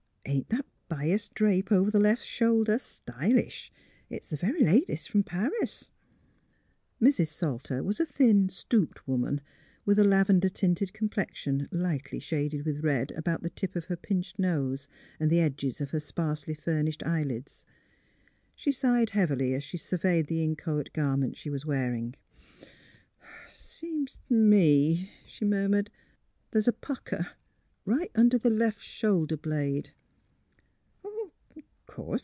Ain't that Mas drape over the left shoulder stylish? It's th' very latest from Paris! " Mrs. Salter was a thin, stooped woman, with a lavender tinted complexion, lightly shaded with red about the tip of her pinched nose and the edges of her sparsely furnished eyelids. She sighed heavily as she surveyed the inchoate gar ment she was wearing. *' Seems t' me," she murmured, ^' the's a pucker, right under the left shoulder blade."